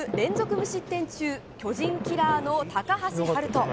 無失点中巨人キラーの高橋遥人。